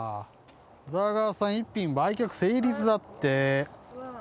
宇田川さん、１品売却成立だって。